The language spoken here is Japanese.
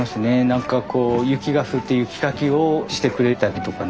雪が降って雪かきをしてくれたりとかね